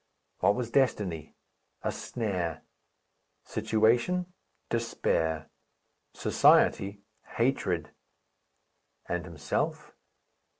What was destiny? A snare. Situation? Despair. Society? Hatred. And himself?